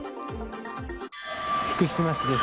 福島市です。